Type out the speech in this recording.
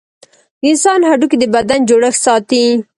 د انسان هډوکي د بدن جوړښت ساتي.